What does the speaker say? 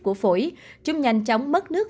của phổi chúng nhanh chóng mất nước